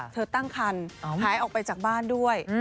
เธอตั้งครรภ์หายออกไปจากบ้านด้วย